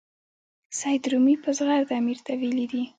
سید رومي په زغرده امیر ته ویلي دي.